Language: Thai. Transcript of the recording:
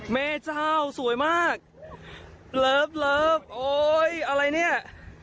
แม่เจ้าสวยมากเลิฟโอ๊ยอะไรเนี่ย